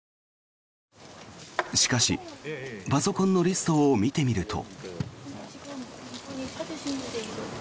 しかし、パソコンのリストを見てみると。